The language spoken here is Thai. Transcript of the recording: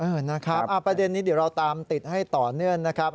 นะครับประเด็นนี้เดี๋ยวเราตามติดให้ต่อเนื่องนะครับ